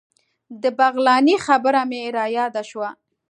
د بغلاني خبره مې رایاده شوه.